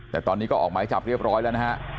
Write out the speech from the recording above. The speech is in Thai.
แต่ตอนนี้ก็ออกหมายจับเรียบร้อยแล้วนะฮะ